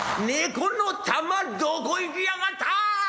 「猫のタマどこ行きやがった！」。